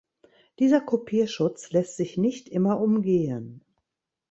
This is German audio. Dieser Kopierschutz lässt sich nicht immer umgehen.